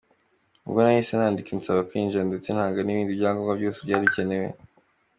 Ubwo nahise nandika nsaba kwinjira ndetse ntanga n’ibindi byangombwa byose byari bikenewe.